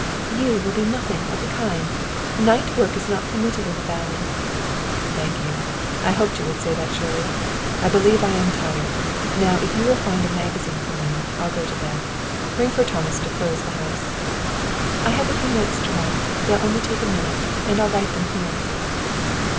"You will do nothing of the kind! Night work is not permitted in the valley." "Thank you! I hoped you would say that, Shirley. I believe I am tired; and now if you will find a magazine for me, I'll go to bed. Ring for Thomas to close the house." "I have a few notes to write; they'll take only a minute, and I'll write them here."